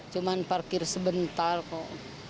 cuman parkir sebentar kok